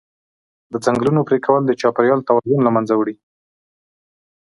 د ځنګلونو پرېکول د چاپېریال توازن له منځه وړي.